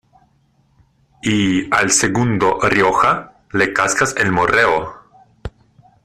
y al segundo Rioja, le cascas el morreo.